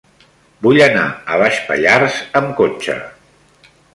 Vull anar a Baix Pallars amb cotxe.